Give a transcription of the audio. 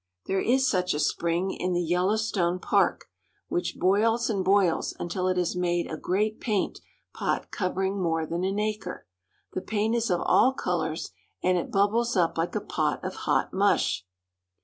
There is such a spring in the Yellowstone Park, which boils and boils until it has made a grjeat paint pot covering more than an acre. The paint is of all colors, and it bubbles up like a pot of hot mush.